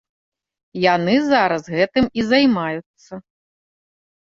Яны зараз гэтым і займаюцца.